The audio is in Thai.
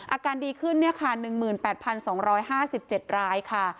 อาการดีขึ้นเนี่ยค่ะ๑๘๒๕๗รายค่ะ